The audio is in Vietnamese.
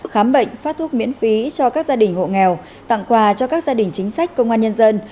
khám bệnh phát thuốc miễn phí cho các gia đình hộ nghèo tặng quà cho các gia đình chính sách công an nhân dân